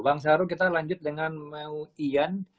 bang charo kita lanjut dengan mau iyan